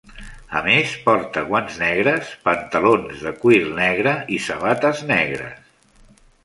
A més, porta guants negres, pantalons de cuir negre i sabates negres.